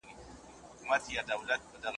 څرېدی به له سهاره تر ماښامه